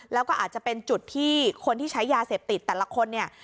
แล้วก็อาจจะเป็นจุดที่คนที่ใช้ยาเสพติดแต่ละคนเนี่ย